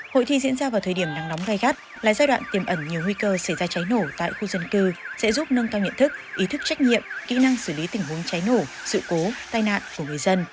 hội thi diễn ra vào thời điểm nắng nóng gai gắt là giai đoạn tiềm ẩn nhiều nguy cơ xảy ra cháy nổ tại khu dân cư sẽ giúp nâng cao nhận thức ý thức trách nhiệm kỹ năng xử lý tình huống cháy nổ sự cố tai nạn của người dân